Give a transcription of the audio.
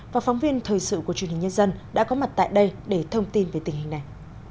và phóng viên thời sự của truyền hình nhân dân đã có mặt tại đây để thông tin về tình hình này